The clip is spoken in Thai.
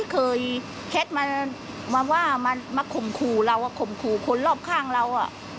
ขมครูคนรอบข้างเรา